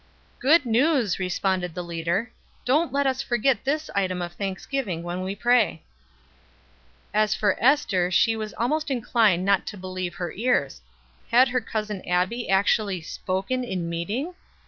"Good news," responded the leader. "Don't let us forget this item of thanksgiving when we pray." As for Ester she was almost inclined not to believe her ears. Had her cousin Abbie actually "spoken in meeting?"